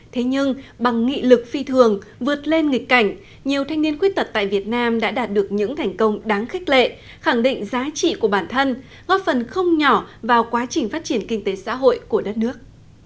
thế nhưng bằng nghị lực phi thường vượt lên nghịch cảnh nhiều thanh niên khuyết tật tại việt nam đã đạt được những thành công đáng khích lệ khẳng định giá trị của bản thân góp phần không nhỏ vào quá trình phát triển kinh tế xã hội của đất nước